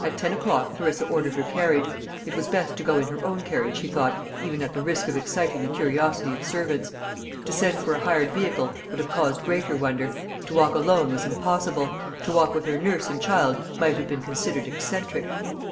At ten o'clock Clarissa ordered her carriage. It was best to go in her own carriage, she thought, even at the risk of exciting the curiosity of servants. To send for a hired vehicle would have caused greater wonder; to walk alone was impossible; to walk with her nurse and child might have been considered eccentric.